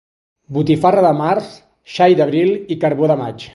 Botifarra de març, xai d'abril i carbó de maig.